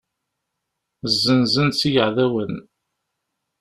Zzenzen-tt i yeεdawen.